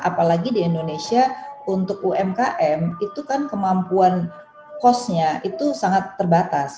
apalagi di indonesia untuk umkm itu kan kemampuan cost nya itu sangat terbatas